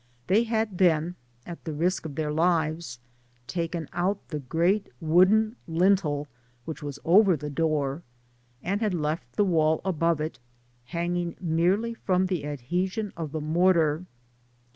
They had then, at the risk of their lives, taken out the great wooden lintel, which was over the door, and had left the wall above it hanging merely from the adhesion of the mortar.